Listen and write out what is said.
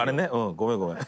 ごめん、ごめん。